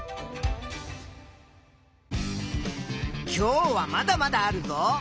今日はまだまだあるぞ。